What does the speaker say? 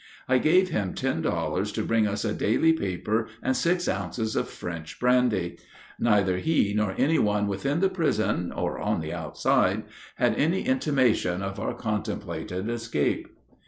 I gave him ten dollars to bring us a daily paper and six ounces of French brandy. Neither he nor any one within the prison or on the outside had any intimation of our contemplated escape.